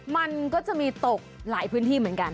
มันก็จะมีตกหลายพื้นที่เหมือนกัน